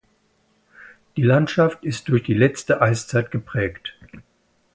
Die Landschaft ist durch die letzte Eiszeit geprägt.